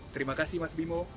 terima kasih mas bimo